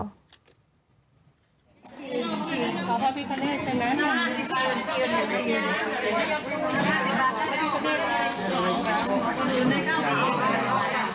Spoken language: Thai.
ขอบภัยพี่พระเนธใช่ไหม